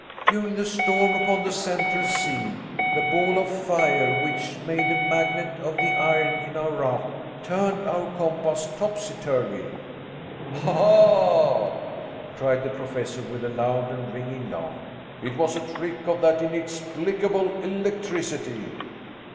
"During the storm, upon the Central Sea, the ball of fire which made a magnet of the iron in our raft, turned our compass topsy turvy." "Ah!" cried the Professor, with a loud and ringing laugh, "it was a trick of that inexplicable electricity."